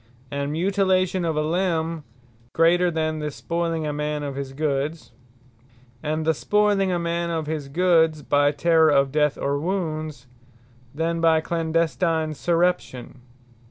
And Mutilation of a limbe, greater, than the spoyling a man of his goods. And the spoyling a man of his goods, by Terrour of death, or wounds, than by clandestine surreption.